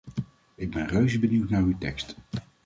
Ik ben reuze benieuwd naar uw tekst.